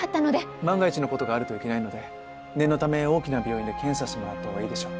万が一の事があるといけないので念のため大きな病院で検査してもらったほうがいいでしょう。